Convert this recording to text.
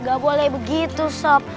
gak boleh begitu sob